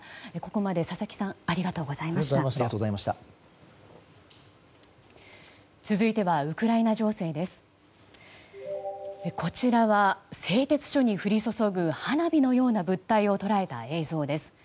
こちらは製鉄所に降り注ぐ花火のような物体を捉えた映像です。